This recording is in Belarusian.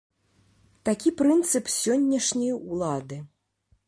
Такі прынцып сённяшняй улады.